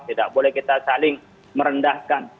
tidak boleh kita saling merendahkan